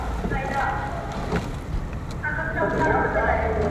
خپـله گرانـه مړه مي په وجود كي ده.